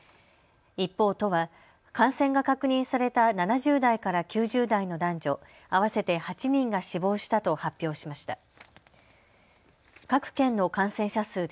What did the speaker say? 一方、都は感染が確認された７０代から９０代の男女合わせて８人が死亡したと発表しました。